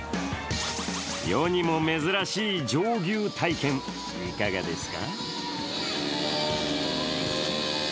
世にも珍しい乗牛体験、いかがですか？